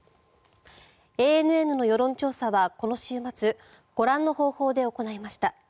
ＡＮＮの世論調査はこの週末ご覧の方法で行いました。